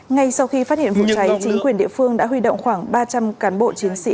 ngay sau khi phát hiện vụ cháy chính quyền địa phương đã huy động khoảng ba trăm linh cán bộ chiến sĩ